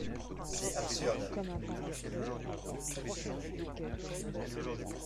C’est absurde